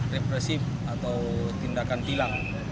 represif atau tindakan tilang